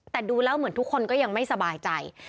แต่ดูแล้วเหมือนทุกคนก็ยังไม่สบายใจ